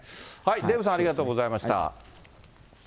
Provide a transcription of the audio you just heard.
デーブさん、ありがとうございました。